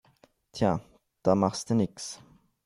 Tja, da machste nix.